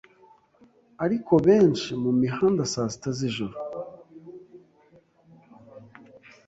Ariko benshi mumihanda saa sita zijoro